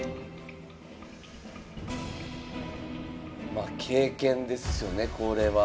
まあ経験ですよねこれは。